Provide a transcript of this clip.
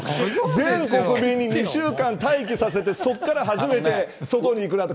全国民に２週間待機させて、そこから初めて、外に行くなんて、